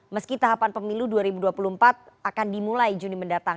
meski tahapan pemilu dua ribu dua puluh empat akan dimulai juni mendatang